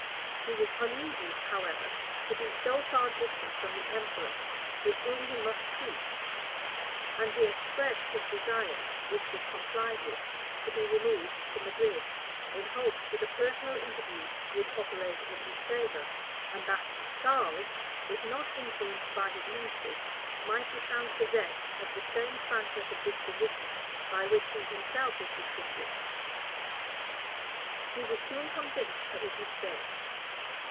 He was uneasy, however, to be so far distant from the emperor, with whom he must treat; and he expressed his desire (which was complied with) to be removed to Madrid, in hopes that a personal interview would operate in his favor, and that Charles, if not influenced by his ministers, might be found possessed of the same frankness of disposition by which he himself was distinguished. He was soon convinced of his mistake.